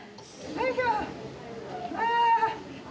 よいしょ。